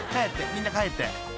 みんな帰って］